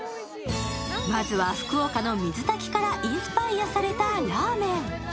まずは福岡の水炊きからインスパイアされたラーメン。